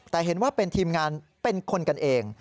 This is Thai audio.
แต่เห็นว่าเป็นทีมงานเป็นคนกันเอง